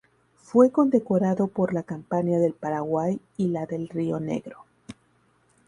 Fue condecorado por la campaña del Paraguay y la del Río Negro.